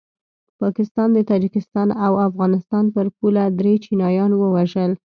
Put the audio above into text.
پاکستان د تاجکستان او افغانستان پر پوله دري چینایان ووژل